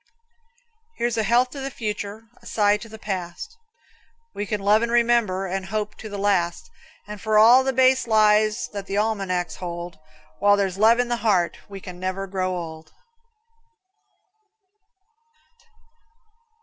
Here's a health to the future, A sigh for the past. We can love and remember, And hope to the last, And for all the base lies That the almanacs hold. While there's love in the heart, We can never grow old.